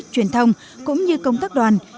truyền thông cũng như công tác đoàn